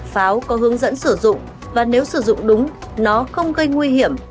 pháo có hướng dẫn sử dụng và nếu sử dụng đúng nó không gây nguy hiểm